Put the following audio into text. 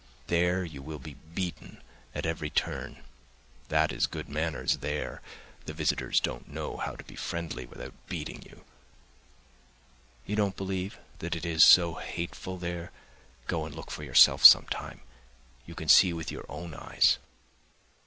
There you will be beaten at every turn; that is good manners there, the visitors don't know how to be friendly without beating you. You don't believe that it is so hateful there? Go and look for yourself some time, you can see with your own eyes.